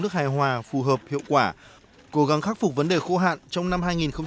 nước hài hòa phù hợp hiệu quả cố gắng khắc phục vấn đề khô hạn trong năm hai nghìn hai mươi